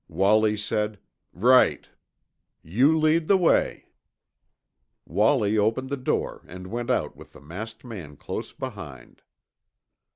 Willie said, "Right." "You lead the way." Wallie opened the door and went out with the masked man close behind.